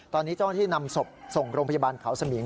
ตอนนี้เจ้าหน้าที่นำศพส่งโรงพยาบาลเขาสมิง